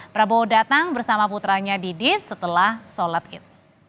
prabowo datang bersama putranya didis setelah sholat id